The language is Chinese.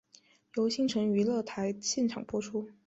由新城娱乐台现场播出。